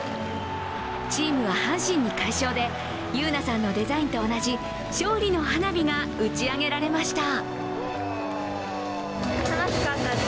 チームは阪神に快勝で、優来さんのデザインと同じ勝利の花火が打ち上げられました。